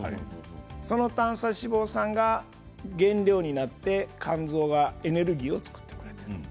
その短鎖脂肪酸が原料になって肝臓がエネルギーを作ってくれる。